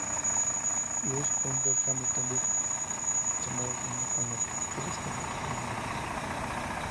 Gus Unger-Hamilton dijo "sonaba genial con lo que Joe estaba tocando en la guitarra".